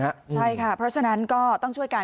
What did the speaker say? ใช่ค่ะเพราะฉะนั้นก็ต้องช่วยกัน